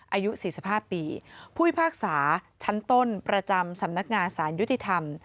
อายุ๔๕ปีผู้พิพากษาชั้นต้นประจำสำนักงานสารยุติธรรม